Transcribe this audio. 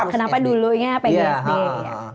kenapa dulu ya pgsd